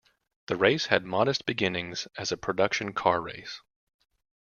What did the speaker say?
The race had modest beginnings as a production car race.